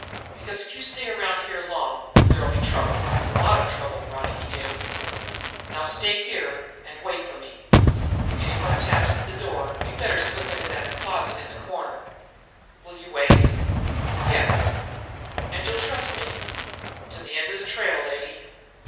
Because, if you stay around here long, there'll be trouble, a lot of trouble, Ronicky Doone. Now stay here and wait for me. If anyone taps at the door, you'd better slip into that closet in the corner. Will you wait?" "Yes." "And you'll trust me?" "To the end of the trail, lady."